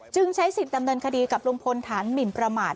ใช้สิทธิ์ดำเนินคดีกับลุงพลฐานหมินประมาท